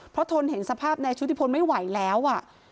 เพราะทนเห็นสภาพนายชุติพลไม่ไหวแล้ว